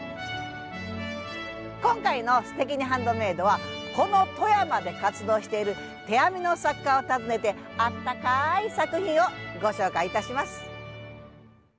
今回の「すてきにハンドメイド」はこの富山で活動している手編みの作家を訪ねてあったかい作品をご紹介いたします。